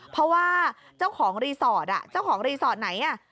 เพราะว่าเจ้าของรีสอร์ทเจ้าของรีสอร์ทไหน